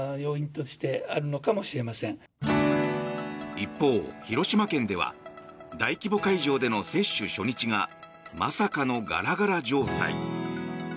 一方、広島県では大規模会場での接種初日がまさかのガラガラ状態。